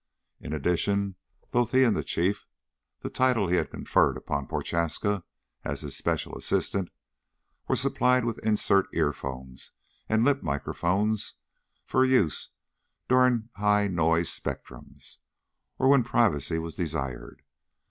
In addition, both he and the Chief the title he had conferred on Prochaska as his special assistant were supplied with insert earphones and lip microphones for use during high noise spectrums, or when privacy was desired.